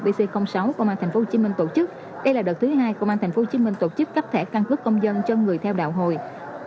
v c sáu công an thành phố hồ chí minh tổ chức